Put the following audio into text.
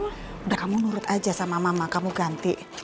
sudah kamu nurut aja sama mama kamu ganti